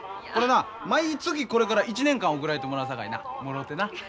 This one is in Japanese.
これな毎月これから１年間送らいてもらうさかいなもろてな。